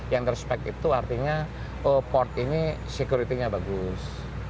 yang respect itu artinya oh port ini security nya bagus